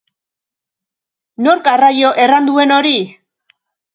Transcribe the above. Nork arraio erran duen hori?